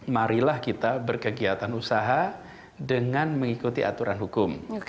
marilah kita berkegiatan usaha dengan mengikuti aturan hukum